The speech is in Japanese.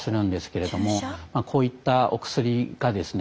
こういったお薬がですね